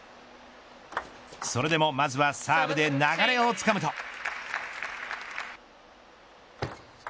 それでもまずはサーブで流れをつかむと。